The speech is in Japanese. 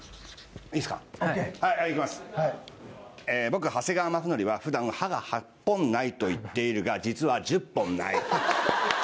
僕、長谷川雅紀はふだん歯が８本ないと言っているが実は１０本ない。